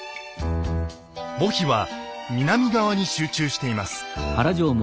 墓碑は南側に集中しています。